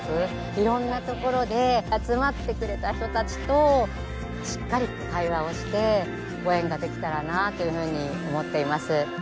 いろんなところで集まってくれた人達としっかりと対話をしてご縁ができたらなというふうに思っています